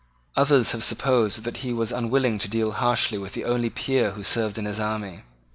Others have supposed that he was unwilling to deal harshly with the only peer who served in his army.